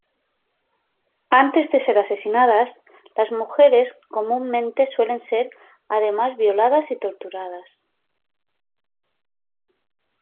Antes de ser asesinadas, las mujeres comúnmente suelen ser, además, violadas y torturadas.